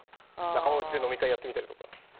仲間内で飲み会やってみるかとか。